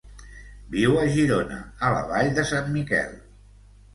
Viu a Girona, a la Vall de Sant Miquel.